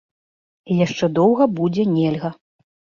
І яшчэ доўга будзе нельга.